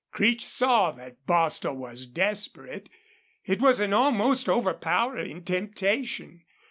Creech saw that Bostil was desperate. It was an almost overpowering temptation.